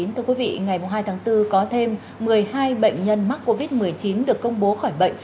thưa quý vị ngày hai tháng bốn có thêm một mươi hai bệnh nhân mắc covid một mươi chín được công bố khỏi bệnh